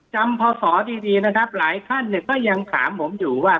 จำพอสอดีดีนะครับหลายขั้นเนี่ยก็ยังถามผมอยู่ว่า